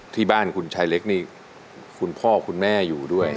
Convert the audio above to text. ที่บ้านคุณชายเล็กนี่คุณพ่อคุณแม่อยู่ด้วย